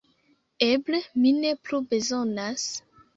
Eble mi ne plu bezonas…